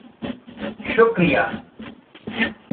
शुक्रिया!